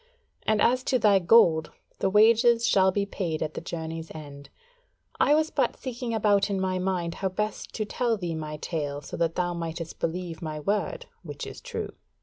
And as to thy gold, the wages shall be paid at the journey's end. I was but seeking about in my mind how best to tell thee my tale so that thou mightest believe my word, which is true.